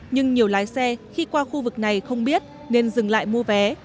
nhưng nhiều lái xe khi qua khu vực này không biết nên dừng lại mua vé